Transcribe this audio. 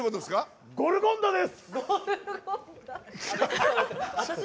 ゴルモンドです！